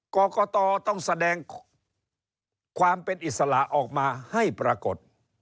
กรกตต้องแสดงความเป็นอิสระออกมาให้ปรากฏ